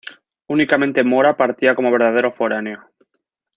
Únicamente Mora partía como verdadero foráneo.